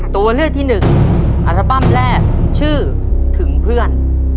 ตัวเลือกที่หนึ่งอัลบั้มแรกชื่อถึงเพื่อน